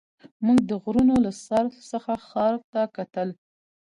موږ د غرونو له سر څخه ښار ته کتل.